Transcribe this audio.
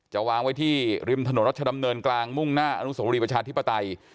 วางไว้ที่ริมถนนรัชดำเนินกลางมุ่งหน้าอนุสวรีประชาธิปไตย